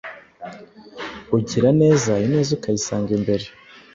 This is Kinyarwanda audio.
ugira neza ineza ukayisanga imbere